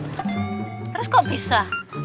terus kok bisa